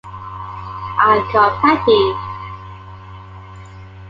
I called Patti.